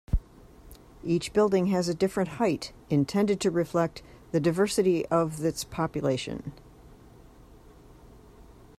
Each building has a different height, intended to reflect the diversity of its population.